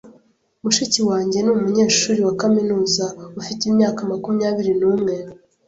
Mushiki wanjye ni umunyeshuri wa kaminuza ufite imyaka makumyabiri n'umwe.